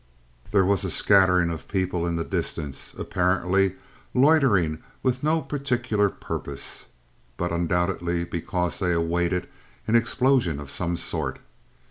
There was a scattering of people in the distance, apparently loitering with no particular purpose, but undoubtedly because they awaited an explosion of some sort.